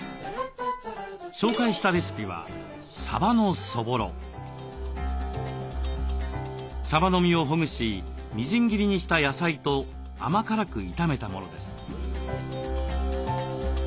紹介したレシピはさばの身をほぐしみじん切りにした野菜と甘辛く炒めたものです。